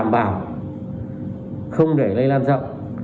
phong tỏa có